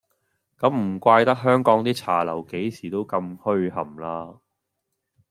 噉唔怪得香港啲茶樓幾時都咁噓冚啦